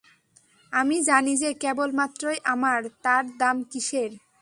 আমি জানি যে কেবলমাত্রই আমার– তার দাম কিসের?